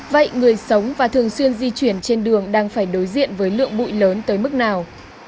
vậy người sống và thường xuyên di chuyển trên đường đang phải đối diện với lượng bụi lớn tới mức nào